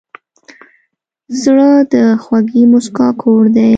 زړه د خوږې موسکا کور دی.